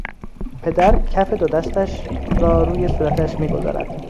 پدر کف دو دستش را روی صورتش میگذارد